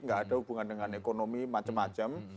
nggak ada hubungan dengan ekonomi macam macam